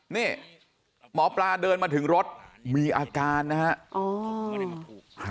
นี่หมอปลาเดินมาถึงรถมีอาการนะฮะ